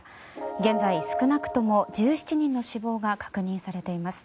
現在、少なくとも１７人の死亡が確認されています。